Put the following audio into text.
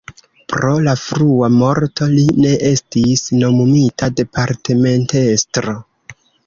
Pro la frua morto li ne estis nomumita departementestro.